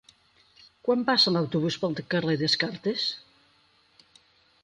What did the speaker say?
Quan passa l'autobús pel carrer Descartes?